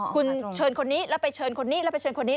คุณเชิญคนนี้แล้วไปเชิญคนนี้